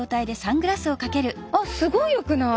あっすごいよくない？